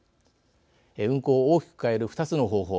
運行を大きく変える２つの方法